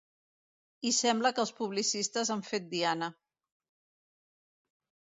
I sembla que els publicistes han fet diana.